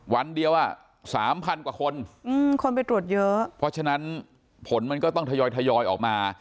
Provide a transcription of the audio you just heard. วันเดียว๓๐๐๐กว่าคนคนไปตรวจเยอะเพราะฉะนั้นผลมันก็ต้องทยอยออกมา